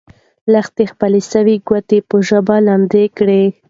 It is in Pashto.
لښتې خپله سوې ګوته په ژبه لنده کړه.